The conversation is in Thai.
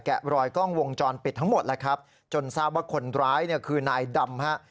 รอยกล้องวงจรปิดทั้งหมดแล้วครับจนทราบว่าคนร้ายเนี่ยคือนายดำฮะ